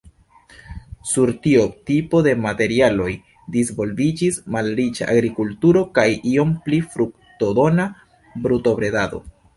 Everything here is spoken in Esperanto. Sur tiu tipo de materialoj disvolviĝis malriĉa agrikulturo kaj iom pli fruktodona brutobredado.